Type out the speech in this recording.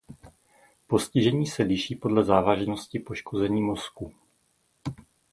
Postižení se liší podle závažnosti poškození mozku.